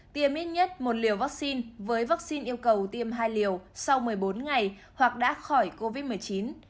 tiêm ít nhất một liều vaccine với vaccine yêu cầu tiêm hai liều sau một mươi bốn ngày hoặc đã khỏi covid một mươi chín